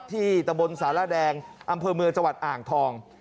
ตะบนสารแดงอำเภอเมืองจังหวัดอ่างทอง